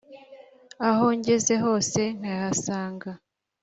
aho ngeze hose nkayahasanga